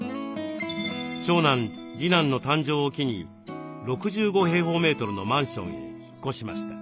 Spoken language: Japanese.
長男次男の誕生を機に６５のマンションへ引っ越しました。